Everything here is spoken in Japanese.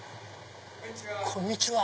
こんにちは。